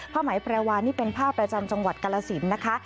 ไหมแพรวานี่เป็นผ้าประจำจังหวัดกาลสินนะคะ